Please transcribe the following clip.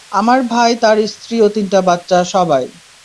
আমার ভাই, তার স্ত্রী ও তিনটা বাচ্চা, সবাই।